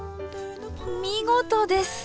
見事です。